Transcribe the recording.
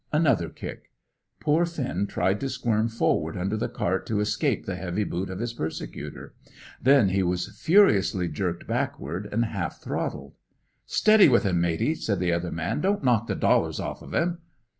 Another kick. Poor Finn tried to squirm forward under the cart to escape the heavy boot of his persecutor. Then he was furiously jerked backward and half throttled. "Steady with 'im, matey," said the other man. "Don't knock the dollars off of 'im."